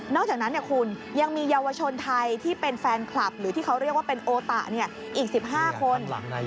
อกจากนั้นคุณยังมีเยาวชนไทยที่เป็นแฟนคลับหรือที่เขาเรียกว่าเป็นโอตะอีก๑๕คน